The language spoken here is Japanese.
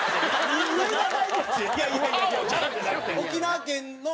沖縄県の？